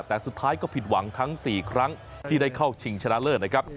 แต่สุดท้ายก็ผิดหวังทั้ง๔ครั้งที่ได้เข้าชิงชนะเลิศนะครับ